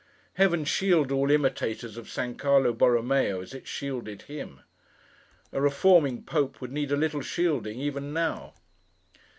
Heaven shield all imitators of San Carlo Borromeo as it shielded him! A reforming Pope would need a little shielding, even now.